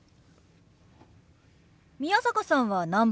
宮坂さんは何番目？